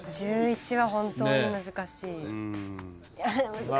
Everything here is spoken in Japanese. １１は本当に難しい。